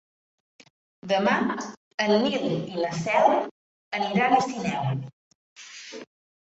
Demà en Nil i na Cel aniran a Sineu.